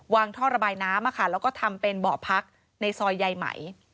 ท่อระบายน้ำแล้วก็ทำเป็นเบาะพักในซอยใยไหม